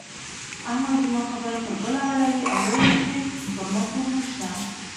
احمد زما خبره پر بله اړوي او وايي چې پر ما پور نه شته.